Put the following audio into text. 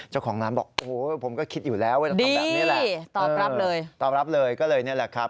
เจ้าของร้านบอกผมก็คิดอยู่แล้วดีตอบรับเลยก็เลยนี่แหละครับ